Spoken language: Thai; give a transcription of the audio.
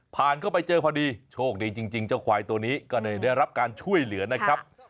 ผ่านเข้าไปเจอพอดีโชคดีจริงเจ้าควายตัวนี้ก็เลยได้รับการช่วยเหลือนะครับ